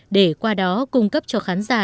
để qua đó cung cấp cho khán giả